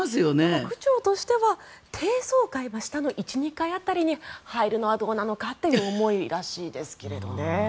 区長としては低層階の１２階辺りに入るのはどうなのかという思いらしいですけれどね。